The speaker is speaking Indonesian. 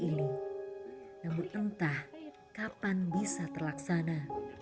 namun entah kapan bisa terlaksana